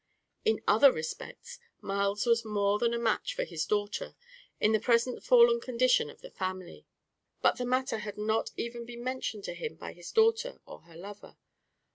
In other respects, Myles was more than a match for his daughter, in the present fallen condition of the family. But the matter had not even been mentioned to him by his daughter or her lover.